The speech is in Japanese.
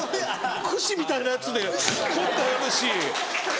くしみたいなやつで取ってはるし。